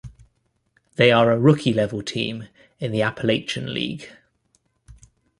They are a Rookie-level team in the Appalachian League.